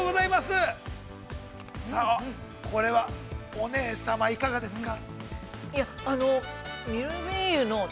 これは、お姉様、いかがですか。